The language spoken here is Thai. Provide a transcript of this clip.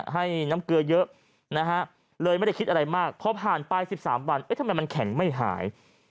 ให้น้ำเกลือเยอะนะฮะเลยไม่ได้คิดอะไรมากพอผ่านไป๑๓วันทำไมมันแข็งไม่หาย